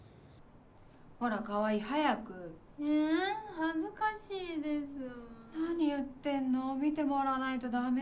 ・ほら川合早く・・え恥ずかしいです・・何言ってんの見てもらわないとダメじゃん